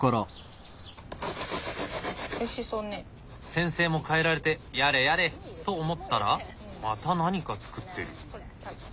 先生も帰られてやれやれと思ったらまた何か作ってる。